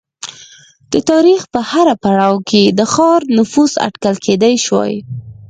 د تاریخ په هر پړاو کې د ښار نفوس اټکل کېدای شوای